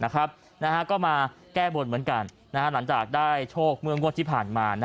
ก็มาแก้บนเหมือนกันหลังจากได้โชคเมื่องวดที่ผ่านมา